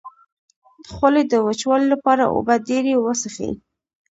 د خولې د وچوالي لپاره اوبه ډیرې وڅښئ